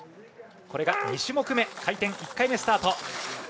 これが２種目め回転、１回目スタート。